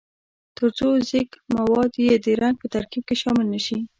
ترڅو ځیږ مواد یې د رنګ په ترکیب کې شامل نه شي.